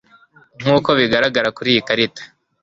nk uko bigaragara kuri iyi karita